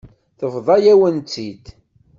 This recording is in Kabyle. Tebḍa-yawen-tt-id.